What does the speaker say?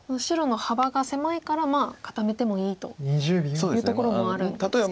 白の幅が狭いからまあ固めてもいいというところもあるんですか。